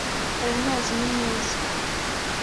aya mazi ni meza